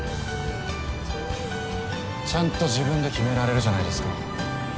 ちゃんと自分で決められるじゃないですか。